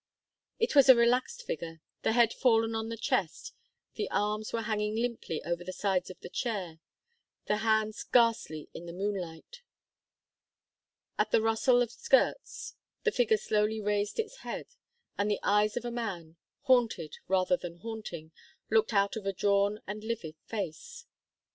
It was a relaxed figure, the head fallen on the chest; the arms were hanging limply over the sides of the chair, the hands ghastly in the moonlight. At the rustle of skirts the figure slowly raised its head, and the eyes of a man, haunted rather than haunting, looked out of a drawn and livid face.